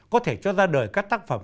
có thể cho ra đời các tác phẩm